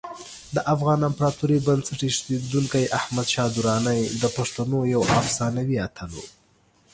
د افغان امپراتورۍ بنسټ ایښودونکی احمدشاه درانی د پښتنو یو افسانوي اتل و.